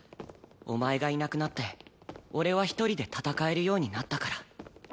お前がいなくなって俺は一人で戦えるようになったから。